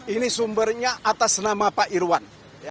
ini sumbernya atas nama pak irwan